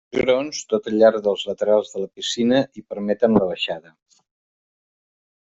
Uns graons tot al llarg dels laterals de la piscina hi permeten la baixada.